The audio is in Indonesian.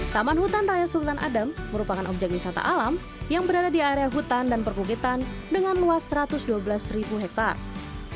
taman hutan raya sultan adam merupakan objek wisata alam yang berada di area hutan dan perbukitan dengan luas satu ratus dua belas ribu hektare